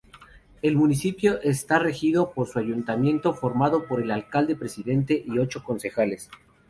El municipio está regido por su ayuntamiento, formado por el alcalde-presidente y ocho concejales.